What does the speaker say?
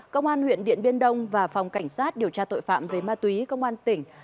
công an huyện điện biên đông và phòng cảnh sát điều tra tội phạm về ma túy công an tỉnh